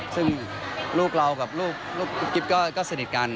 ซึ่งลูกเรากับลูกกิฟต์ก็สนิทกัน